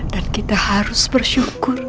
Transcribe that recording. dan kita harus bersyukur